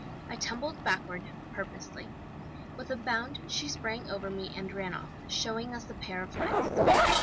I tumbled backward, purposely. With a bound she sprang over me, and ran off, showing us a pair of legs!